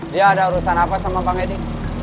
dia ada urusan apa sama bang edi